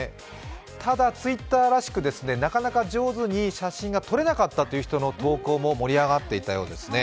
ただＴｗｉｔｔｅｒにはなかなか上手に写真が撮れなかったという人の投稿も盛り上がっていたようですね。